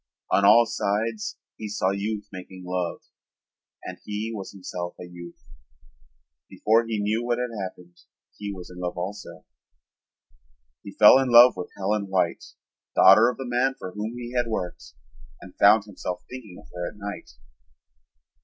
On all sides he saw youth making love and he was himself a youth. Before he knew what had happened he was in love also. He fell in love with Helen White, daughter of the man for whom he had worked, and found himself thinking of her at night.